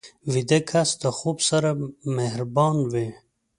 ویده کس د خوب سره مهربان وي